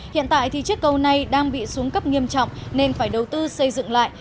hiện tại chiếc cầu này đang bị xuống cấp nghiêm trọng nên phải đầu tư xây dựng lại